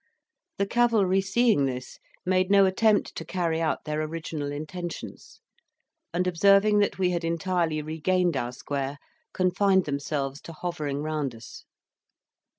The cavalry seeing this, made no attempt to carry out their original intentions, and observing that we had entirely regained our square, confined themselves to hovering round us.